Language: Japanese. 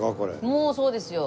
もうそうですよ